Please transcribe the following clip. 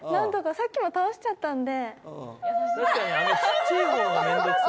さっきも倒しちゃったんで。